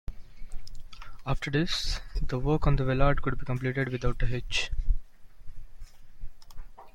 After this, the work on the vellard could be completed without a hitch.